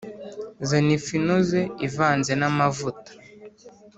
Zana ifu inoze ivanze n’amavuta